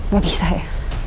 gak bisa ya